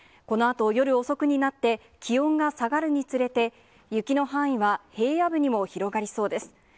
このあと夜遅くになって、気温が下がるにつれて、雪の範囲は平野部にも広がりそうです。